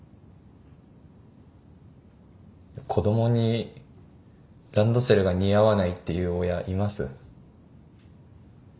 子どもにランドセルが似合わないって言う親います？